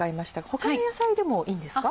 他の野菜でもいいんですか？